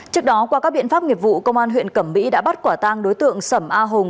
trước đó qua các biện pháp nghiệp vụ công an huyện cẩm mỹ đã bắt quả tang đối tượng sẩm a hùng